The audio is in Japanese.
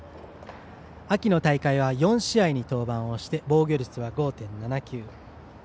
秋の大会は４試合に登板をして防御率は５．７９。